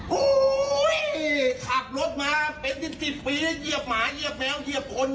หูยขัดรถมาเป็นจิสิปีหยิบหมาหยิบแพ้วหยิบคน